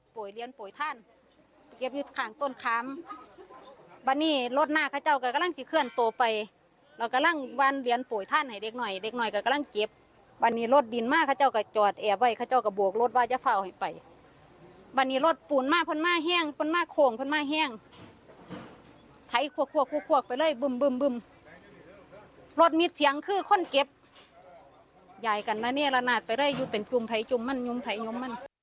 ป่วยเรียนป่วยท่านเก็บอยู่ข้างต้นขามบันนี้รถหน้าข้าเจ้าก็กำลังจะเคลื่อนโตไปเรากำลังวานเรียนป่วยท่านให้เล็กหน่อยเล็กหน่อยกำกำกำลังเก็บบันนี้รถดินมาข้าเจ้าก็จอดแอบไว้ข้าเจ้าก็บวกรถวายฟาวให้ไปบันนี้รถปูนมาพ่อนมาแห้งพ่อนมาโค้งพ่อนมาแห้งไทยควอกควอกควอกควอกไปเลยบึมบึมบึมรถม